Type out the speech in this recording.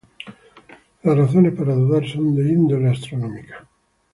Las razones para dudar son de índole astronómica.